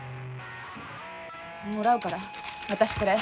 もらうから私これ。